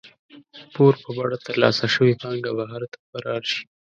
پور په بڼه ترلاسه شوې پانګه بهر ته فرار شي.